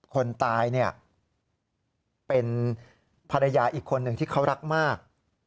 คนตายเนี่ยเป็นภรรยาอีกคนหนึ่งที่เขารักมาก